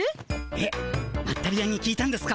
えっまったり屋に聞いたんですか？